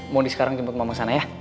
mau di sekarang jemput ngomong sana ya